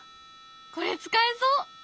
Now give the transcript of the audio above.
これ使えそう！